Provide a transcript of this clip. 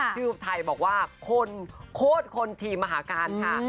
ไทยบอกว่าคนโคตรคนทีมมหาการค่ะ